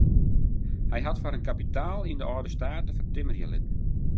Hy hat foar in kapitaal yn de âlde state fertimmerje litten.